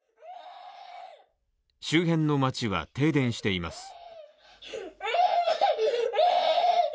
周辺の町は停電しています。